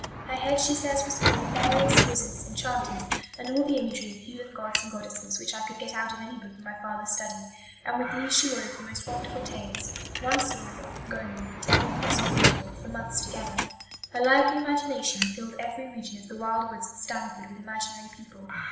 Her head, she says, was full of "fairies, wizards, enchanters, and all the imagery of heathen gods and goddesses which I could get out of any book in my father's study," and with these she wove the most wonderful tales, one story often going on, at every possible interval, for months together. Her lively imagination "filled every region of the wild woods at Stanford with imaginary people.